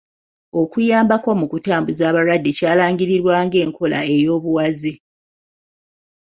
Okuyambako mu kutambuza abalwadde kyalangirirwa ng’enkola ey’obuwaze.